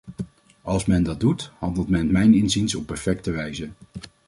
Als men dat doet, handelt men mijns inziens op perfecte wijze.